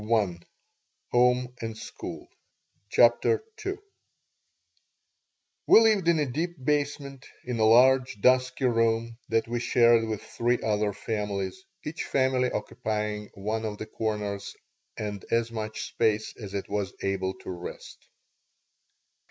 She did not CHAPTER II WE lived in a deep basement, in a large, dusky room that we shared with three other families, each family occupying one of the corners and as much space as it was able to wrest.